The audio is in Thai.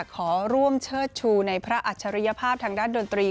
ขอร่วมเชิดชูในพระอัจฉริยภาพทางด้านดนตรี